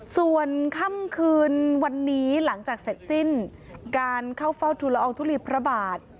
ส่วนค่ำคืนวันนี้หลังจากเสร็จสิ้นการเข้าเฝ้าทุลอองทุลีพระบาท